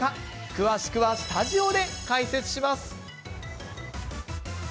詳しくはスタジオで解説します。